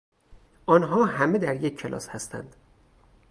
آنها همه در یک کلاس هستند.